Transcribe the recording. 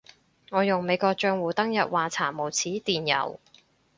我用美國帳戶登入話查無此電郵